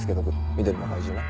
緑の怪獣な。